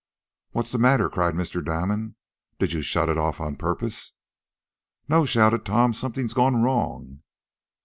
"What's the matter?" cried Mr. Damon, "Did you shut it off on purpose?" "No!" shouted Tom, "Something's gone wrong!"